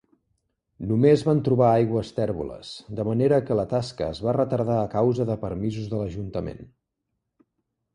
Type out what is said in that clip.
Només van trobar aigües tèrboles, de manera que la tasca es va retardar a causa de permisos de l'ajuntament.